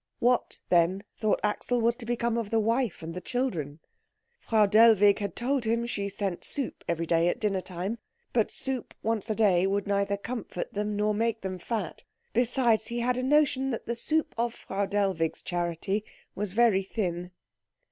What, then, thought Axel, was to become of the wife and the children? Frau Dellwig had told him that she sent soup every day at dinner time, but soup once a day would neither comfort them nor make them fat. Besides, he had a notion that the soup of Frau Dellwig's charity was very thin.